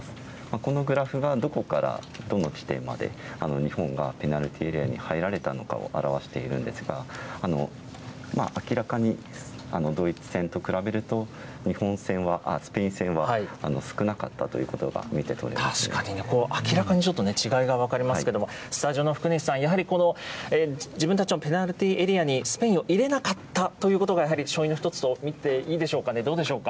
このグラフがどこからどの地点まで日本がペナルティーエリアに入られたのかを表しているんですが、明らかにドイツ戦と比べると、スペイン戦は少なかったということ確かにね、明らかにちょっと違いが分かりますけれども、スタジオの福西さん、やはりこの自分たちのペナルティーエリアにスペインを入れなかったということが、やはり勝因の一つと見ていいでしょうかね、どうでしょうか。